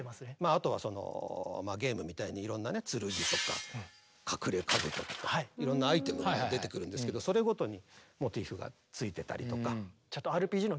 あとはゲームみたいにいろんなね剣とか隠れ兜とかいろんなアイテムが出てくるんですけどそれごとにモチーフがついてたりとか。